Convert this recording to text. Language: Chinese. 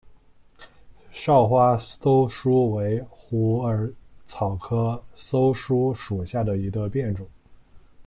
少花溲疏为虎耳草科溲疏属下的一个变种。